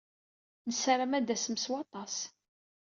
Nessaram ad d-tasem s waṭas.